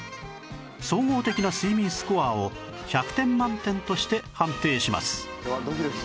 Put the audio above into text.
総合的な睡眠スコアを１００点満点として判定します